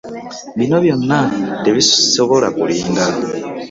Bino byonna tebisobola kulinda.